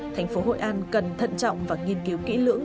thành phố hội an cần thận trọng và nghiên cứu kỹ lưỡng